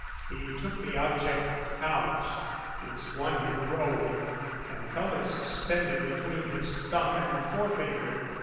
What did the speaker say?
He took the object out, his wonder growing, and held it suspended between his thumb and forefinger.